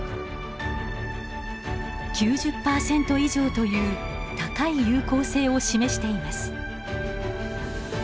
９０％以上という高い有効性を示しています。